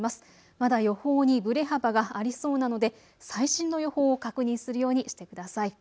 まだ予報にぶれ幅がありそうなので最新の予報を確認するようにしてください。